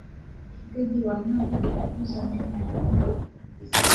ufugaji wa nyoka kuuza nyama ya mbwa na fisi